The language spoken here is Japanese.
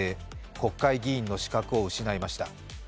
国会議員の資格を失いました。